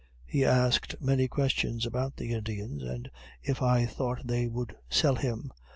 He asked many questions about the Indians, and if I thought that they would sell him.